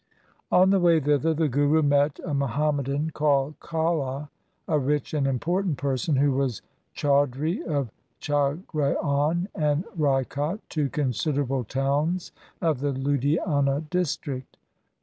On the way thither the Guru met a Muhammadan called Kalha, a rich and important person who was Chaudhri of Jagraon and Raikot, two considerable towns of the Ludhiana district.